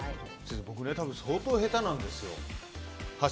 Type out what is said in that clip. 僕、多分相当下手なんですよ。